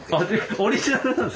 オリジナルなんですか？